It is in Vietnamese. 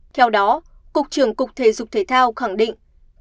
theo đó cục trưởng cục thể dục thể thao khẳng định